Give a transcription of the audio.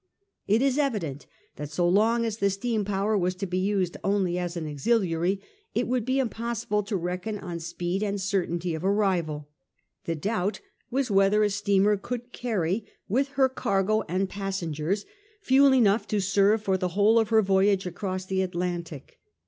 It is evident that so long as the steam power was to be used only as an auxiliary, it would be impossible to reckon on speed and certainty of arrival. The doubt was whether a steamer could carry, with her cargo and passengers, fuel enough to serve for the whole of her voyage across the Atlantic.